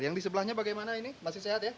yang di sebelahnya bagaimana ini masih sehat ya